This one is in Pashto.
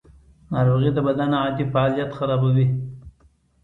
ناروغي د بدن عادي فعالیت خرابوي.